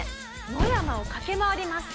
野山を駆け回ります。